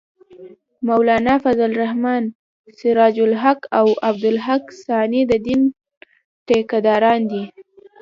مولانا فضل الرحمن ، سراج الحق او عبدالحق ثاني د دین ټېکه داران دي